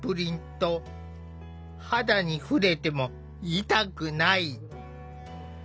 肌に触れても痛くない！